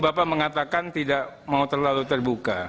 bapak mengatakan tidak mau terlalu terbuka